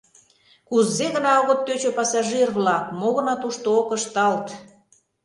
Кузе гына огыт тӧчӧ пассажир-влак, мо гына тушто ок ышталт.